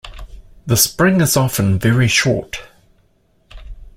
The spring is often very short.